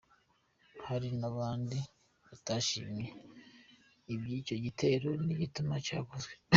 Hari n'abandi batashimye ivy'ico gitero n'igituma cakozwe.